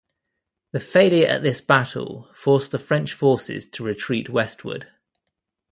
The failure at this battle forced the French forces to retreat westward.